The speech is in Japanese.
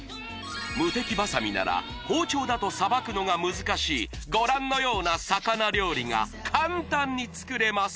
ムテキバサミなら包丁だと捌くのが難しいご覧のような魚料理が簡単に作れます